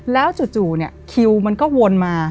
แล้วจู่คิวมันก็วนมา